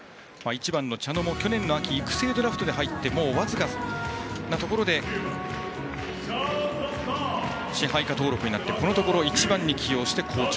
１番の茶野も去年の秋育成ドラフトで入って、僅かなところで支配下登録になってこのところ１番に起用されて好調。